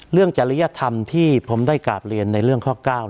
จริยธรรมที่ผมได้กราบเรียนในเรื่องข้อ๙